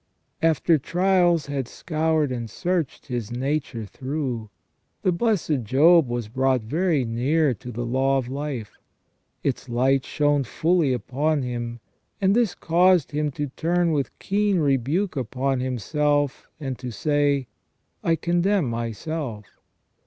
After trials had scoured and searched his nature through, the blessed Job was brought very near to the law of life ; its light shone fully upon him, and this caused him to turn with keen rebuke upon himself, and to say :' I condemn myself.